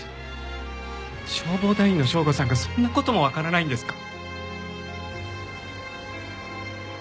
消防団員の省吾さんがそんな事もわからないんですか！？